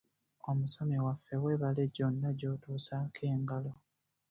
Omusomi waffe weebale gyonna gy'otuusaako engalo.